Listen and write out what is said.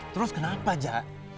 terus kenapa aja